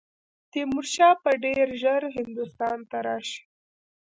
تیمور شاه به ډېر ژر هندوستان ته راشي.